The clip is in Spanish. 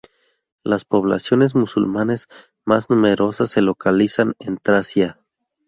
Las poblaciones musulmanes más numerosas se localizan en Tracia.